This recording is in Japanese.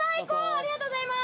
ありがとうございます